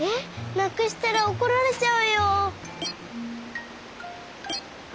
なくしたらおこられちゃうよ！